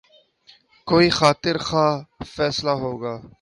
کوئی خاطر خواہ فیصلہ ہو گا۔